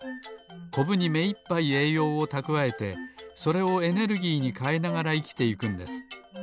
コブにめいっぱいえいようをたくわえてそれをエネルギーにかえながらいきていくんです。